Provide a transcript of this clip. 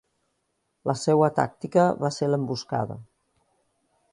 La seua tàctica va ser l'emboscada.